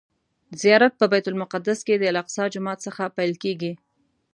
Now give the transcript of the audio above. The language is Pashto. زیارت په بیت المقدس کې د الاقصی جومات څخه پیل کیږي.